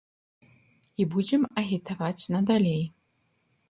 І будзем агітаваць надалей.